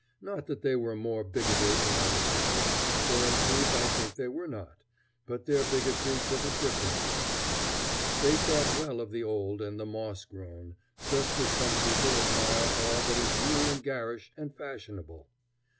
Not that they were more bigoted than other people, for in truth I think they were not, but their bigotry took a different direction. They thought well of the old and the moss grown, just as some people admire all that is new and garish and fashionable.